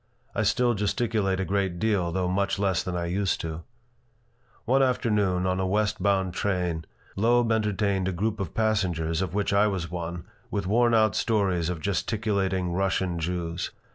I still gesticulate a great deal, though much less than I used to One afternoon, on a west bound train, Loeb entertained a group of passengers of which I was one with worn out stories of gesticulating Russian Jews.